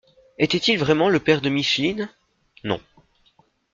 —Était-il vraiment le père de Micheline ? —Non.